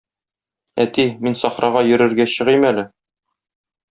Әти, мин сахрага йөрергә чыгыйм әле.